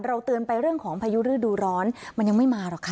เตือนไปเรื่องของพายุฤดูร้อนมันยังไม่มาหรอกค่ะ